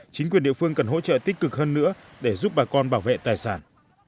chính quyền địa phương cần hỗ trợ tích cực hơn nữa để giúp bà con bảo vệ tài sản